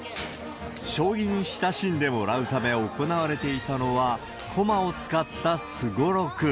将棋に親しんでもらうため行われていたのは、駒を使ったすごろく。